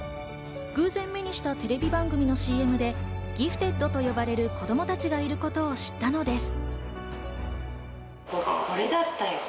偶然、目にしたテレビ番組のＣＭでギフテッドと呼ばれる子供たちがいることを知ったのです。